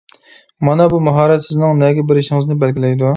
مانا بۇ ماھارەت سىزنىڭ نەگە بېرىشىڭىزنى بەلگىلەيدۇ.